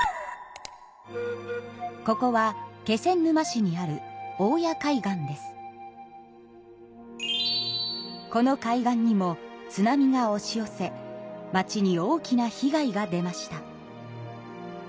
ここは気仙沼市にあるこの海岸にも津波がおし寄せ町に大きな被害が出ました。